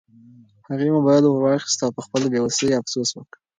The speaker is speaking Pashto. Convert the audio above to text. هغې موبایل ورواخیست او په خپله بې وسۍ یې افسوس وکړ.